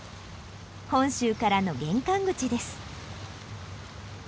本州からの玄関口です。